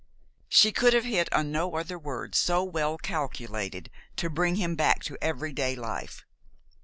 She could have hit on no other words so well calculated to bring him back to every day life.